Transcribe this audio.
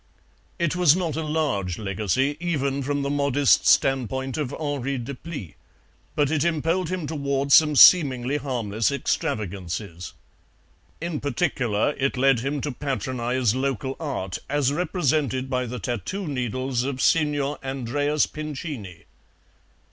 "It was not a large legacy, even from the modest standpoint of Henri Deplis, but it impelled him towards some seemingly harmless extravagances. In particular it led him to patronize local art as represented by the tattoo needles of Signor Andreas Pincini.